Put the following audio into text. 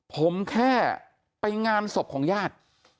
ผมแค่ไปงานศพของญาติ